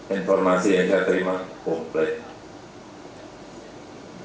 informasi yang saya terima komplek